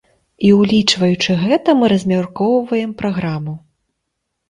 І ўлічваючы гэта мы размяркоўваем праграму.